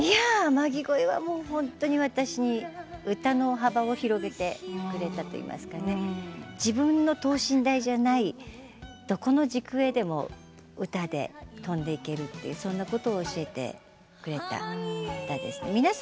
「天城越え」は歌の幅を広げてくれたといいますか自分の等身大じゃないどこの時空へも歌で飛んでいけるそういうことを教えてくれた歌です。